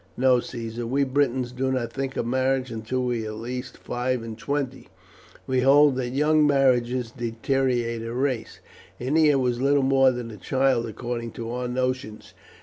"No, Caesar; we Britons do not think of marriage until we are at least five and twenty. We hold that young marriages deteriorate a race. Ennia was little more than a child, according to our notions.